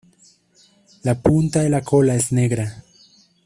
La punta de la cola es negra.